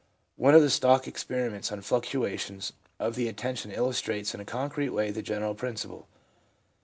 One of the stock experiments on fluctuations of the attention illustrates in a concrete way the general principle.